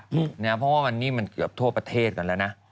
เพราะว่าวันนี้มันเกือบทั่วประเทศกันแล้วนะ